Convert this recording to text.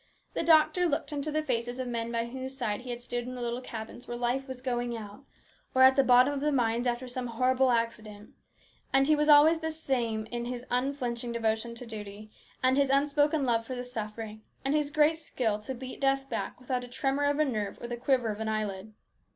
The doctor looked into the faces of men by whose side he had stood in the little cabins where life was going out, or at the bottom of the mines after some horrible accident, and he was always the same in his unflinching devotion to duty, and his unspoken love for the suffering, and his great skill to beat death back without a tremor of a nerve or the quiver of an eyelid.